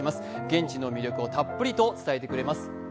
現地の魅力をたっぷりと伝えてくれます。